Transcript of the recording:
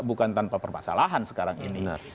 bukan tanpa permasalahan sekarang ini